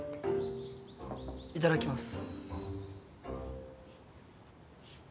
いただきます。